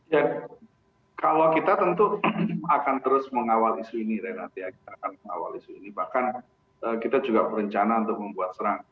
ya kalau kita tentu akan terus mengawal isu ini renhard ya